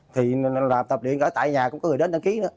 thì làm tập luyện ở tại nhà cũng có người đến đăng ký nữa